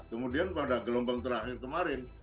kemudian pada gelombang terakhir kemarin